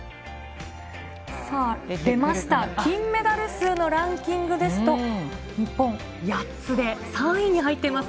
出ました、金メダル数のランキングですと、日本８つで、３位に入っています。